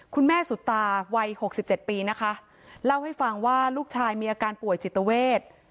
คุณแม่สุตาวัย๖๗ปีนะคะเล่าให้ฟังว่าลูกชายมีอาการป่วยจิตเวท